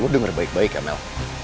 lo denger baik baik ya mel